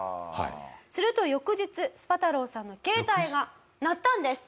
すると翌日スパ太郎さんの携帯が鳴ったんです。